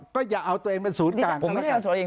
ก็อย่าเอาตัวเองเป็นศูติกลาง